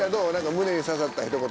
胸に刺さった一言。